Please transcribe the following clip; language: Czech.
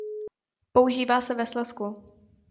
Používá se ve Slezsku.